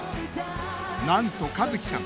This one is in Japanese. なんと華月さん